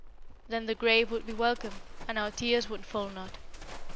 Then the grave would be welcome, and our tears would fall not.